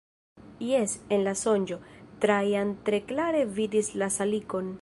Jes, en la sonĝo, Trajan tre klare vidis la salikon.